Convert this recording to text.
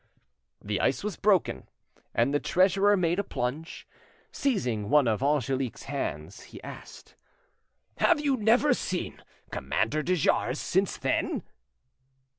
The ice was broken, and the treasurer made a plunge. Seizing one of Angelique's hands, he asked— "Have you never seen Commander de Jars since then?"